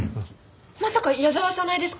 まさか矢沢早苗ですか？